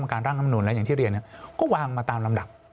กรรมการร่างน้ำหนุนแล้วอย่างที่เรียนนี้ก็วางมาตามรำดับ